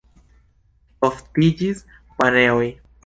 Oftiĝis paneoj.